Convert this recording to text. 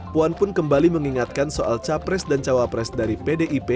puan pun kembali mengingatkan soal capres dan cawapres dari pdip